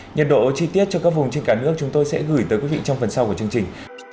nhật độ chi tiết cho các vùng trên cả nước chúng tôi sẽ gửi tới quý vị trong phần sau của chương trình